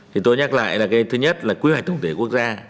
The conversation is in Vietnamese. thì tôi nhắc lại là thứ nhất là quy hoạch tổng thể quốc gia